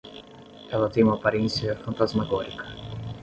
Ela tem uma aparência fantasmagórica